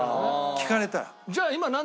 聞かれたら。